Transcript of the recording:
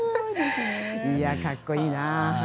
いやあかっこいいな。